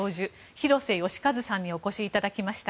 広瀬佳一さんにお越しいただきました。